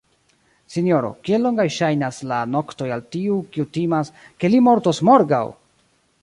sinjoro, kiel longaj ŝajnas la noktoj al tiu, kiu timas, ke li mortos morgaŭ!